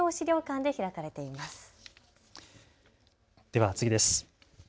では次です。